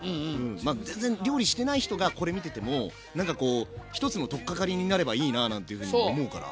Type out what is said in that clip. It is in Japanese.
まあ全然料理してない人がこれ見ててもなんかこう一つの取っかかりになればいいななんていうふうに思うから。